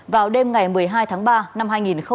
vào đêm ngày một mươi hai tháng ba năm hai nghìn hai mươi